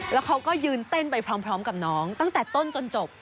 แล้วเขาก็ยืนเต้นไปพร้อมกับน้องตั้งแต่ต้นจนจบ